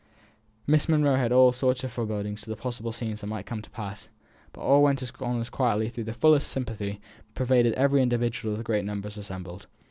Miss Monro had all sorts of forebodings as to the possible scenes that might come to pass. But all went on as quietly as though the fullest sympathy pervaded every individual of the great numbers assembled.